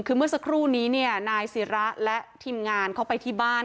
คือเมื่อสักครู่นี้เนี่ยนายศิระและทีมงานเขาไปที่บ้าน